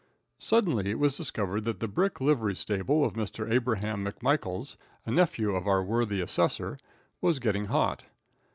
Suddenly it was discovered that the brick livery stable of Mr. Abraham McMichaels, a nephew of our worthy assessor, was getting hot.